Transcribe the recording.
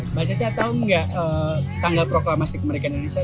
mbak caca tau gak tanggal proklamasi kemerdekaan indonesia